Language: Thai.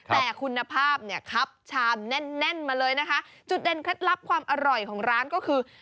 แต่คุณภาพเนี่ยครับชามแน่นแน่นมาเลยนะคะจุดเด่นเคล็ดลับความอร่อยของร้านก็คือ